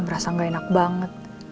merasa gak enak banget